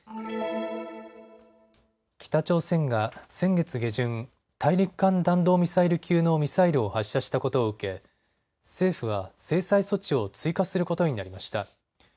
北朝鮮が先月下旬、大陸間弾道ミサイル級のミサイルを発射したことを受け政府は制裁措置を追加することになりました。